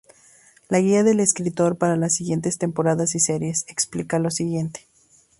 La guía del escritor para las siguientes temporadas y series explica lo siguiente.